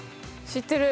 知ってる。